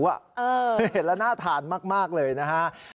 แล้วหน้าทานมากเลยนะฮะ